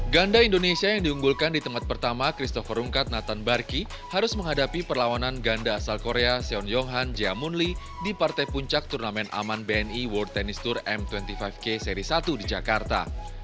ganda indonesia yang diunggulkan di tempat pertama christopher rungkat nathan barki harus menghadapi perlawanan ganda asal korea seon yong han jia munli di partai puncak turnamen aman bni world tennis tour m dua puluh lima k seri satu di jakarta